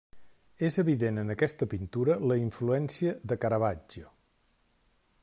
És evident en aquesta pintura la influència de Caravaggio.